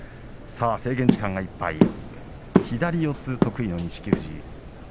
制限時間いっぱい左四つ得意の錦富士。